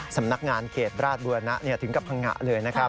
สำนักงานเขตราชบุรณะถึงกับพังงะเลยนะครับ